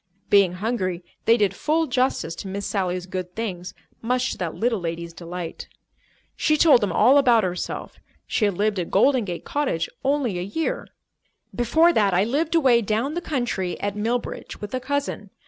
Being hungry, they did full justice to Miss Sally's good things, much to that little lady's delight. She told them all about herself. She had lived at Golden Gate Cottage only a year. "Before that, I lived away down the country at Millbridge with a cousin.